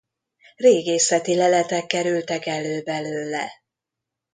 Régészeti leletek kerültek elő belőle.